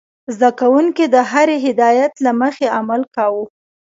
زده کوونکي د هرې هدايت له مخې عمل کاوه.